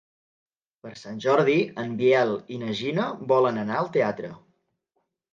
Per Sant Jordi en Biel i na Gina volen anar al teatre.